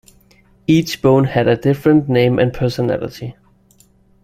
Each bone had a different name and personality.